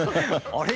「あれ？」